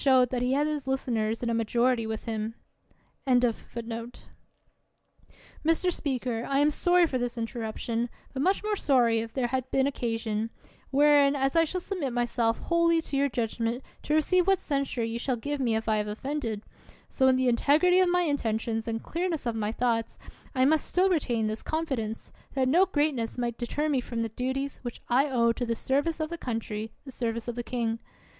1 Mr. Speaker, I am sorry for this interruption, but much more sorry if there have been occasion ; wherein, as I shall submit myself wholly to your judgment to receive what censure you shall give me if I have offended, so in the integrity of my intentions, and clearness of my thoughts, I must still retain this confidence, that no greatness may deter me from the duties which I owe to the serv ice of the country, the service of the king.